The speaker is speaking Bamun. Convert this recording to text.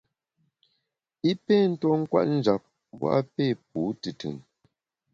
I pé tuo kwet njap, mbu a pé pu tùtùn.